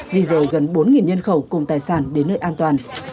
di rời gần bốn nhân khẩu cùng tài sản đến nơi an toàn